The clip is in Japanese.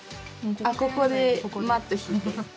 あここでマットひいて。